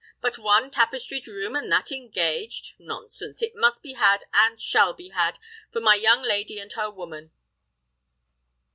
But one tapestried room, and that engaged? Nonsense! it must be had, and shall be had, for my young lady and her woman!"